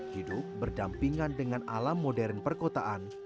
hidup berdampingan dengan alam modern perkotaan